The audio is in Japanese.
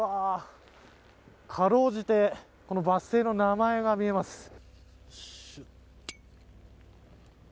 辛うじてこのバス停の名前が見えます。